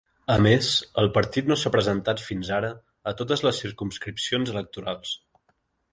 A més, el partit no s'ha presentat fins ara a totes les circumscripcions electorals.